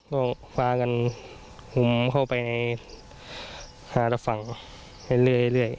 ตรงฟ้ากันหุมเข้าไปหาทะฟังเรื่อย